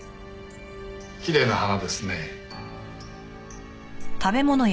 きれいな花ですね。